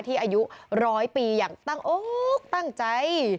อายุร้อยปีอย่างตั้งอกตั้งใจ